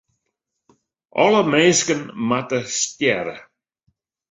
Alle minsken moatte stjerre.